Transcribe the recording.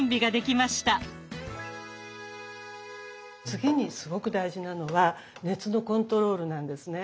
次にすごく大事なのは熱のコントロールなんですね。